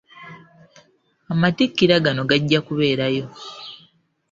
Amatikkira gano gajja kubeerayo.